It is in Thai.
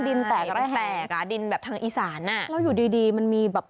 เผ็ดแห้งดินแตกยังไง